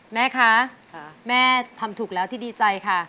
แม่คะแม่ทำถูกแล้วที่ดีใจค่ะ